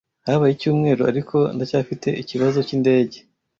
Habaye icyumweru, ariko ndacyafite ikibazo cyindege.